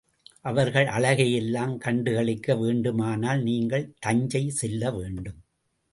அவர்கள் அழகை எல்லாம் கண்டுகளிக்க வேண்டுமானால் நீங்கள் தஞ்சை செல்ல வேண்டும்.